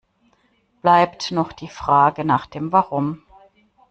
Bleibt noch die Frage nach dem Warum.